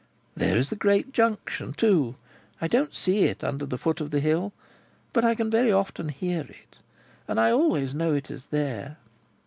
There is the great Junction, too. I don't see it under the foot of the hill, but I can very often hear it, and I always know it is there.